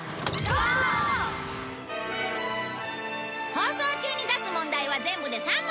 放送中に出す問題は全部で３問。